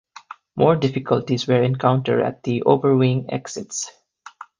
More difficulties were encountered at the overwing exits.